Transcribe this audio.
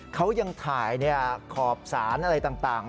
เขายังถ่ายขอบสารอะไรต่าง